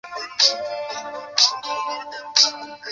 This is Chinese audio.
李家道是三国时期兴起的一个道教派别。